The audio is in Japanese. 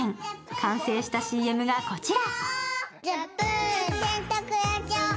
完成したＣＭがこちら。